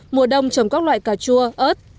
mùa đông trồng các loại cà chua ớt